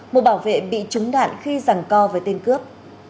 một bảo vệ bị trúng đạn khi giẳng co với tên cướp